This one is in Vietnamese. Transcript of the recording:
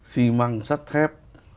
xi măng sắt thép